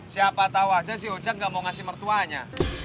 siapa tahu aja si ojak gak mau ngasih mertuanya